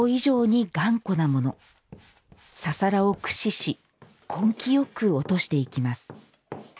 ササラを駆使し根気よく落としていきます。